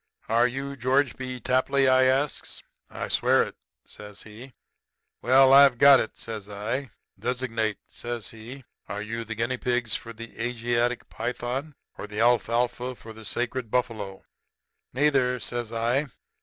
"'Are you George B. Tapley?' I asks. "'I swear it,' says he. "'Well, I've got it,' says I. "'Designate,' says he. 'Are you the guinea pigs for the Asiatic python or the alfalfa for the sacred buffalo?' "'Neither,' says I.